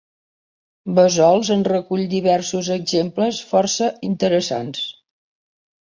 Bassols en recull diversos exemples força interessants.